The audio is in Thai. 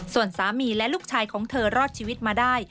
ส่วนสามีและลูกชายของเธอรอดชีวิตมาได้